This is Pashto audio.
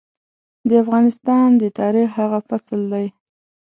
د افغانستان د تاريخ هغه فصل دی.